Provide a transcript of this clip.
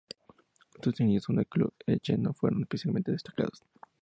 Sus inicios con el club che no fueron especialmente destacados.